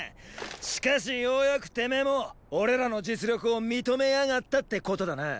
しかしよーやくてめーも俺らの実力を認めやがったってことだな。